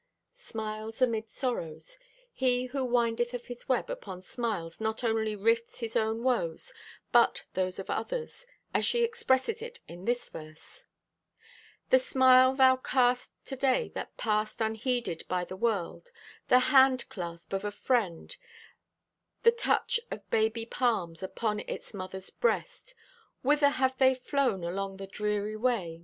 Smiles amid sorrows. He who windeth of his web upon smiles not only rifts his own woes but those of others, as she expresses it in this verse: The smile thou cast today that passed Unheeded by the world; the handclasp Of a friend, the touch of baby palms Upon its mother's breast— Whither have they flown along the dreary way?